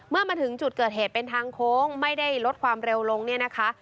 เมื่อมาถึงจุดเกิดเหตุเป็นทางโค้งไม่ได้ลดความเร็วลงเนี่ยนะคะ